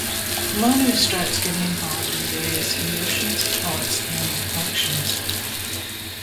Manu starts getting involved in various emotions, thoughts and actions.